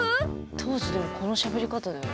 当時でもこのしゃべり方だよね。